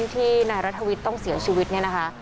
ที่นายรัฐวิทย์ต้องเสียชีวิตเนี่ยนะคะ